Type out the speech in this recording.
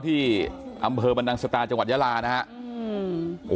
ที่อำเภอบรรดังสตาร์จังหวัดยะลานะฮะ